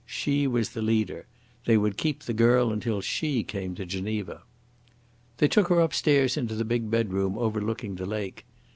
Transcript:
She was the leader. They would keep the girl until she came to Geneva. They took her upstairs into the big bedroom overlooking the lake.